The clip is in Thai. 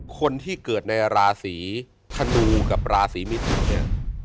คนที่เกิดในราศีธนูกับราศีมิถุเนี่ย